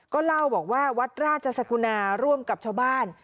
ก็เล่าบอกว่าวัดราชสกุณาร่วมกับชาวบ้าน